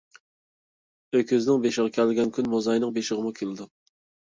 ئۆكۈزنىڭ بېشىغا كەلگەن كۈن موزاينىڭ بېشىغىمۇ كېلىدۇ.